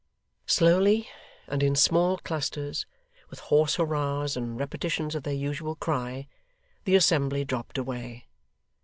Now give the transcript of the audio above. Slowly, and in small clusters, with hoarse hurrahs and repetitions of their usual cry, the assembly dropped away.